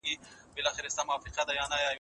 قدرت څنګه په ټولنه کې وېشل کیږي؟